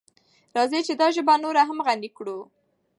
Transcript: راځئ چې دا ژبه نوره هم غني کړو.